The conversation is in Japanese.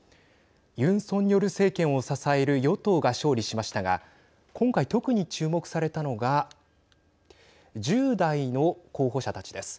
ユン・ソンニョル政権を支える与党が勝利しましたが今回、特に注目されたのが１０代の候補者たちです。